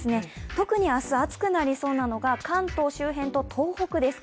特に明日、暑くなりそうなのが、関東周辺と東北です。